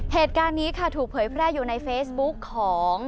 เหตุการณ์นี้ค่ะถูกเผยแพร่อยู่ในเฟซบุ๊กของ